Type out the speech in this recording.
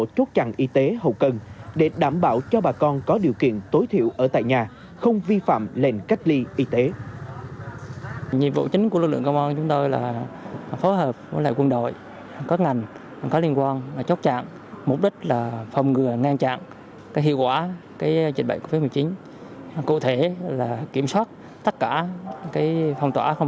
tổ chốt chặn y tế hầu cân để đảm bảo cho bà con có điều kiện tối thiểu ở tại nhà không vi phạm lệnh cách ly y tế